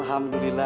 ya ampun girhana